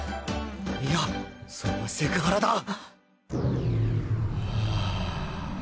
いやそれはセクハラだはあ。